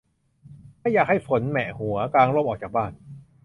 ไม่อยากให้ฝนแหมะหัว กางร่มออกจากบ้าน